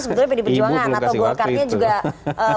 sebenarnya berdiperjuangan atau golkarnya juga